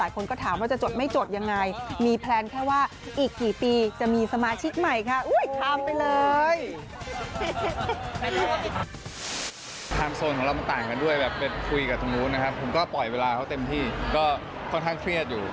ก็คอดทางเครียดอยู่